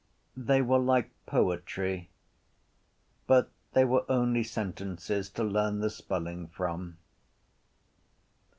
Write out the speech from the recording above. They were like poetry but they were only sentences to learn the spelling from.